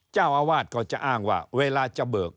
เจ้าอาวาสก็จะอ้างว่าเวลาจะเบิก